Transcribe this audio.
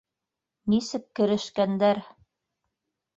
Нисек керешкәндәр.